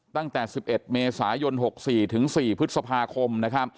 ตั้งแต่๑๑เมษายน๖๔ถึง๔พฤษภาคม